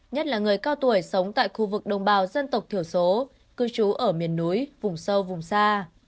nhất là người cao tuổi sống tại khu vực đồng bào dân tộc thiểu số cư trú ở miền núi vùng sâu vùng xa